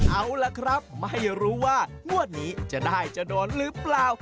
เอาล่ะครับไม่รู้ว่างวดนี้จะได้จะโดนหรือเปล่า